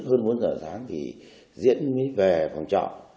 hơn bốn giờ sáng thì diễn mới về phòng trọ